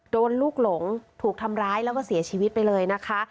โดนลูกหลงถูกทำร้ายแล้วก็เสียชีวิตไปเลยนะคะ